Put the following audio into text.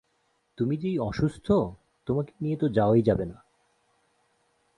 তুমি যেই অসুস্থ তোমাকে নিয়েতো যাওয়াই যাবে না।